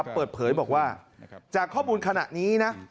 เปิดเผยบอกว่าจากข้อมูลขณะนี้นะ